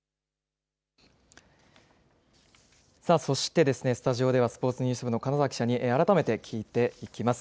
そして、スタジオではスポーツニュース部の金沢記者に改めて聞いていきます。